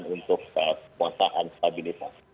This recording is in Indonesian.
untuk kekuasaan stabilitas